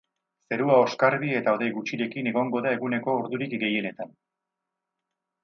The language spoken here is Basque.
Zerua oskarbi edo hodei gutxirekin egongo da eguneko ordurik gehienetan.